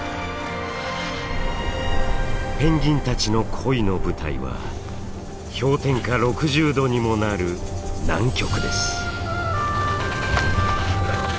ペンギンたちの恋の舞台は氷点下６０度にもなる南極です。